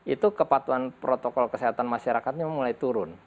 itu kepatuhan protokol kesehatan masyarakatnya mulai turun